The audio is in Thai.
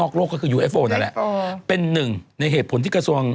บทเต็มตัว